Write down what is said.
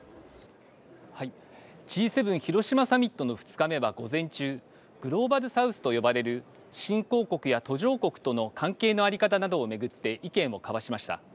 Ｇ７広島サミットの２日目は午前中、グローバル・サウスと呼ばれる新興国や途上国との関係の在り方などを巡って意見を交わしました。